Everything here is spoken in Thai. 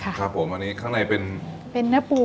ครับผมอันนี้ข้างในเป็นเนื้อปู